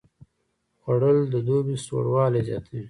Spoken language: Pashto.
خوړل د دوبي سوړوالی زیاتوي